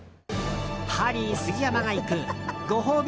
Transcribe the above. ハリー杉山が行くご褒美